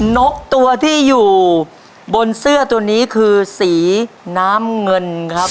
นกตัวที่อยู่บนเสื้อตัวนี้คือสีน้ำเงินครับ